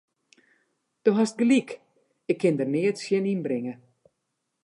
Do hast gelyk, ik kin der neat tsjin ynbringe.